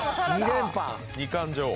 ２冠女王。